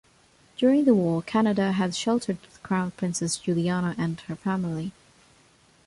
During the war Canada had sheltered Crown Princess Juliana and her family.